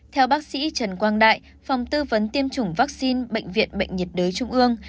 theo bác sĩ trần quang đại phòng tư vấn tiêm chủng vaccine bệnh viện bệnh nhiệt đới trung ương